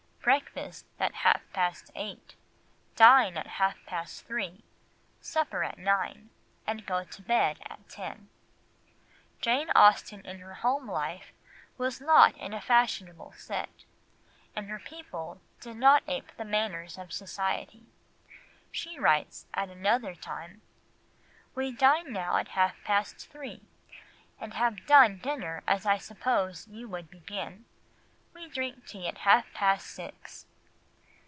breakfast at half past eight, dine at half past three, supper at nine, and go to bed at ten." Jane Austen in her home life was not in a fashionable set, and her people did not ape the manners of society; she writes at another time, "We dine now at half past three, and have done dinner I suppose before you begin; we drink tea at half past six."